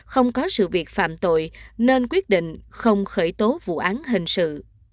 không có sự việc phạm tội nên quyết định không khởi tố vụ án hình sự